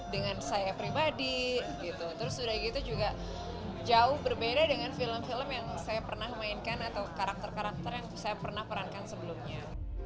dengan saya pribadi terus udah gitu juga jauh berbeda dengan film film yang saya pernah mainkan atau karakter karakter yang saya pernah perankan sebelumnya